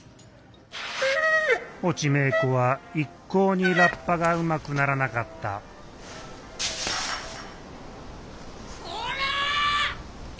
越智芽衣子は一向にラッパがうまくならなかったこら！